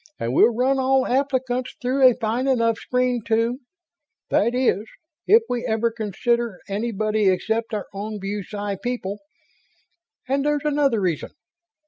"And we'll run all applicants through a fine enough screen to that is, if we ever consider anybody except our own BuSci people. And there's another reason."